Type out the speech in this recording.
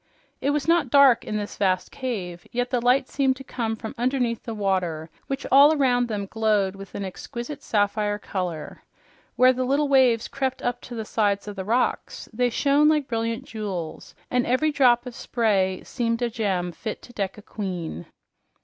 It was not dark in this vast cave, yet the light seemed to come from underneath the water, which all around them glowed with an exquisite sapphire color. Where the little waves crept up the sides of the rocks they shone like brilliant jewels, and every drop of spray seemed a gem fit to deck a queen.